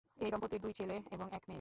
এই দম্পতির দুই ছেলে এবং এক মেয়ে।